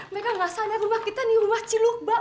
mereka ngasahnya rumah kita ini rumah ciluk mbak